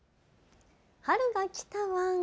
春がきたワン。